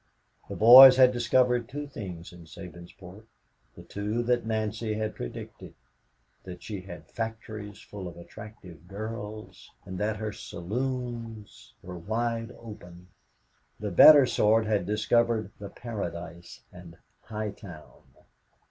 The boys had discovered two things in Sabinsport, the two that Nancy had predicted: that she had factories full of attractive girls and that her saloons were wide open. The better sort had discovered the Paradise and High Town.